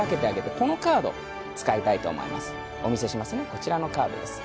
こちらのカードです。